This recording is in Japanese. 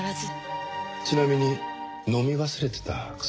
ちなみに飲み忘れてた薬って？